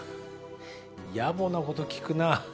やぼなこと聞くなぁ。